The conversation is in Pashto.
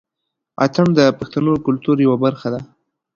اتڼ د پښتنو کلتور يوه برخه دى.